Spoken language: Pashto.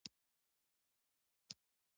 _مکتب به څنګه کوې؟